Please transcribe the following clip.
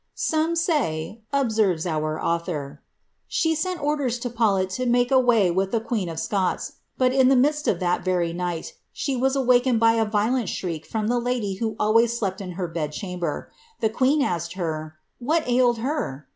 ^ Some say," observes our author, <^ she sent orders to Paulet to make away with the queen of Scots ; but in the midst of that very night she was awakened by a violent shriek from the lady who always slept in her bed chamber. The queen aslced her ^ what ailed her?'